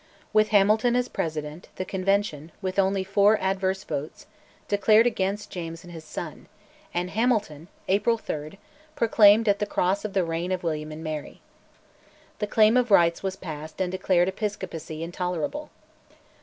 With Hamilton as President, the Convention, with only four adverse votes, declared against James and his son; and Hamilton (April 3) proclaimed at the cross the reign of William and Mary. The claim of rights was passed and declared Episcopacy intolerable.